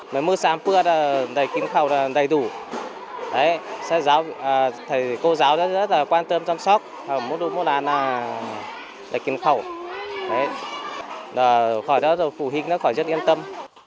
mới mưa sáng bữa là đầy kiếm khẩu đầy đủ thầy cô giáo rất quan tâm chăm sóc mỗi đủ mỗi đàn là đầy kiếm khẩu khỏi đó phụ huynh khỏi rất yên tâm